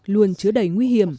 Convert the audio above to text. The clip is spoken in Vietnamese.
luôn chứa đầy nguy hiểm